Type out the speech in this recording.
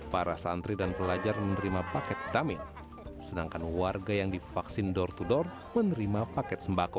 para santri dan pelajar menerima paket vitamin sedangkan warga yang divaksin door to door menerima paket sembako